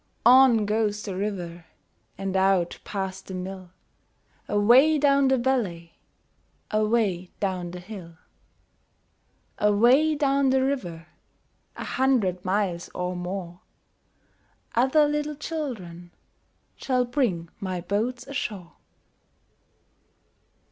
On goes the river And out past the mill, Away down the valley, Away down the hill. Away down the river, A hundred miles or more, Other little children Shall bring my boats ashore.